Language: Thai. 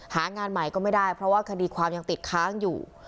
หางานใหม่ก็ไม่ได้เพราะว่าคดีความยังติดค้างอยู่